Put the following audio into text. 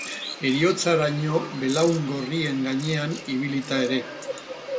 Heriotzaraino belaun gorrien gainean ibilita ere.